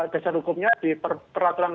dasar hukumnya di peraturan